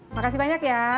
makasih banyak ya